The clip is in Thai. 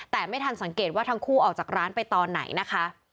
แต่ไม่ทันสังเกตว่าทั้งคู่ออกจากร้านไปตอนไหนนะคะ